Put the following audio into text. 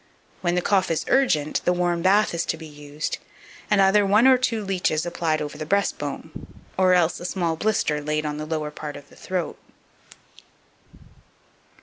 When the cough is urgent, the warm bath is to be used, and either one or two leeches applied over the breastbone, or else a small blister laid on the lower part of the throat.